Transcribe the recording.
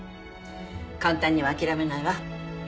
簡単には諦めないわ。